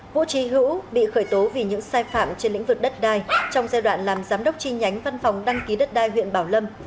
vũ trí hữu bị khởi tố vì những sai phạm trên lĩnh vực đất đai trong giai đoạn làm giám đốc chi nhánh văn phòng đăng ký đất đai huyện bảo lâm